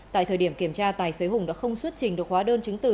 tại thời điểm kiểm tra tài xế hùng đã không xuất trình được hóa đơn chứng từ